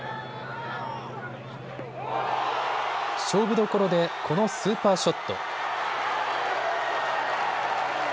勝負どころでこのスーパーショット。